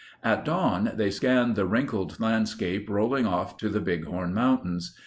At dawn they scanned the wrinkled landscape rolling off to the Big Horn Mountains.